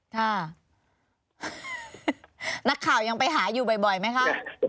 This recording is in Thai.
ถ้านักข่ายังไปหาอยู่บ่อยมั้ยคะ